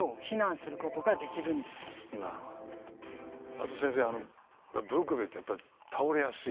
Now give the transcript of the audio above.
あと先生ブロック塀ってやっぱり倒れやすい？